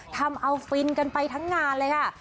ทำเอาฟินกันไปทั้งงานเลยค่ะ